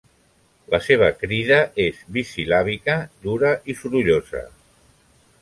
La seva crida és bisil·làbica, dura i sorollosa.